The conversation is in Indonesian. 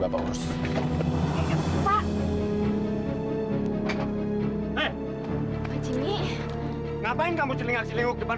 bapak tau pasti ini soal persaingan jualan jamu kalian